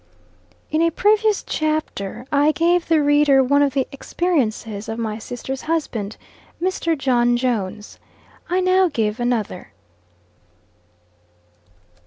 IN a previous chapter, I gave the reader one of the Experiences of my sister's husband, Mr. John Jones. I now give another.